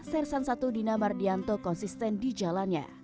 sersan satu dina mardianto konsisten di jalannya